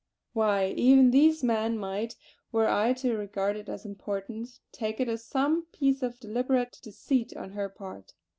Why, even these men might, were I to regard it as important, take it as some piece of deliberate deceit on her part.